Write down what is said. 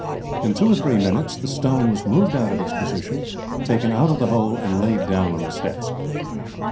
In two or three minutes the stone was moved out of its position, taken out of the hole, and laid down on the steps.